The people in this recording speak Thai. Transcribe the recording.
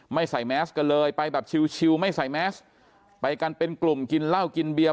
ใส่แมสกันเลยไปแบบชิวไม่ใส่แมสไปกันเป็นกลุ่มกินเหล้ากินเบียร์